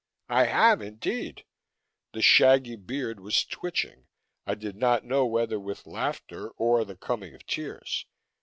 "I have, indeed." The shaggy beard was twitching I did not know whether with laughter or the coming of tears.